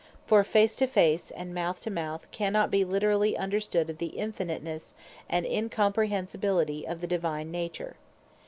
For Face to Face, and Mouth to Mouth, cannot be literally understood of the Infinitenesse, and Incomprehensibility of the Divine Nature.